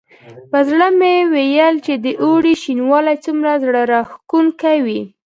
په زړه مې ویل چې د اوړي شینوالی څومره زړه راښکونکی وي.